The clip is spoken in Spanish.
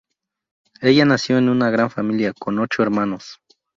Ella nació en una gran familia, con ocho hermanos.